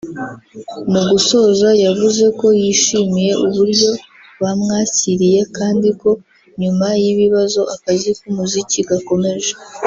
Mu gusoza yavuze ko yishimiye uburyo bamwakiriye kandi ko nyuma y’ibibazo akazi k’umuziki gakomeje